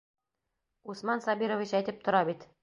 Усман Сабирович әйтеп тора бит...